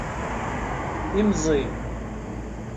Imẓi.